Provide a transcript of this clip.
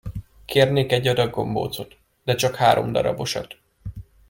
Kérnénk egy adag gombócot, de csak háromdarabosat!